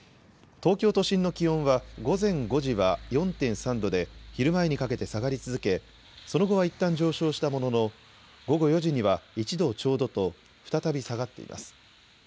東京都心の気温は、午前５時は４．３度で、昼前にかけて下がり続け、その後はいったん上昇したものの、午後４時には１度ちょうどと、再び下がっています。